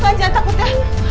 pak jangan takut ya